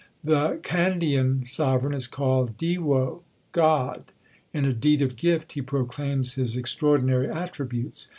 The Kandyan sovereign is called Dewo (God). In a deed of gift he proclaims his extraordinary attributes.